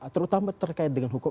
terutama terkait dengan hukum